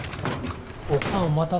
おかんお待たせ。